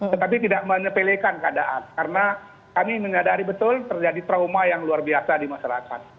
tetapi tidak menyepelekan keadaan karena kami menyadari betul terjadi trauma yang luar biasa di masyarakat